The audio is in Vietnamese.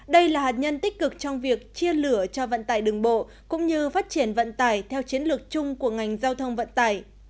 đây là hạt nhân tích cực trong việc chia lửa cho vận tải đường bộ cũng như phát triển vận tải theo chiến lược chung của ngành giao thông vận tải